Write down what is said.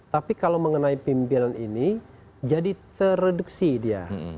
tapi kalau mengenai pimpinan ini jadi tereduksi dia